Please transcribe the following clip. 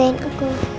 oman yang jagain aku